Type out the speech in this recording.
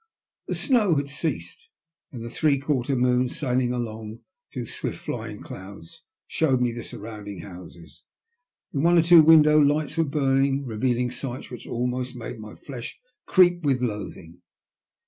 The snow had ceased, and the three quarter moon, sailmg along through swift flying clouds, showed me the surrounding houses. In one or two windows, lights were burning, revealing sights which almost made my flesh creep with loathing.